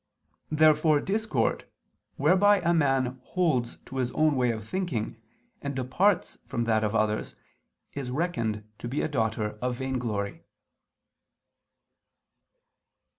Therefore discord, whereby a man holds to his own way of thinking, and departs from that of others, is reckoned to be a daughter of vainglory.